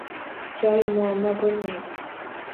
Joy muammo boʻlmaydi.